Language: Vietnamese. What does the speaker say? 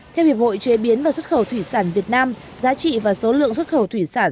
theo hiệp hội chế biến và xuất khẩu thủy sản việt nam giá trị và số lượng xuất khẩu thủy sản